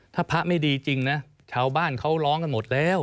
ถ้าพระไม่ดีจริงนะชาวบ้านเขาร้องกันหมดแล้ว